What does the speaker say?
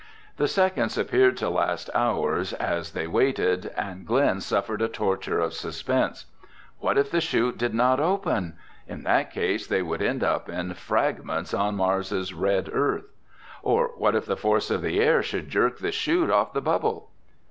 The seconds appeared to last hours as they waited, and Glen suffered a torture of suspense. What if the chute did not open? In that case, they would end up in fragments on Mars' red earth. Or what if the force of the air should jerk the chute off the bubble?